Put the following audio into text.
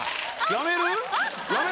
やめる？